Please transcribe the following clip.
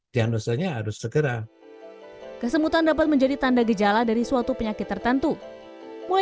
diagnosanya harus segera kesemutan dapat menjadi tanda gejala dari suatu penyakit tertentu mulai